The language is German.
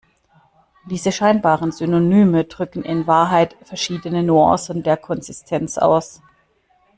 Diese scheinbaren Synonyme drücken in Wahrheit verschiedene Nuancen der Konsistenz aus.